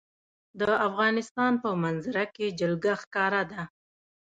د افغانستان په منظره کې جلګه ښکاره ده.